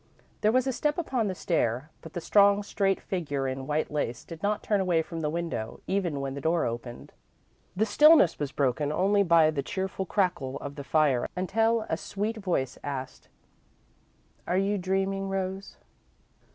There was a step upon the stair, but the strong, straight figure in white lace did not turn away from the window, even when the door opened. The stillness was broken only by the cheerful crackle of the fire until a sweet voice asked: "Are you dreaming, Rose?"